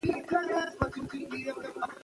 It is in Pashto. ولسي ادبيات له نوم څخه ښکاري چې په ولس کې ريښه لري.